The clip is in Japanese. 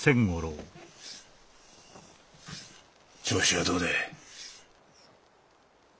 調子はどうだい？